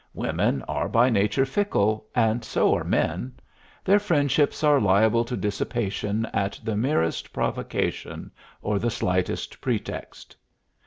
Women are by nature fickle, and so are men; their friendships are liable to dissipation at the merest provocation or the slightest pretext.